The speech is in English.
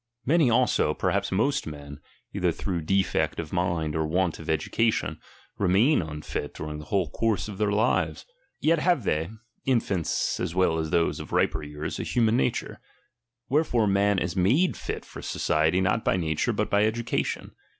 Many also, perhaps most men, either through de fect of mind or want of education, remain unfit during the whole • course of their lives ; yet have they, infants as well as tiose of riper years, a human nature. Wherefore man is made fit for society not by nature, but by education.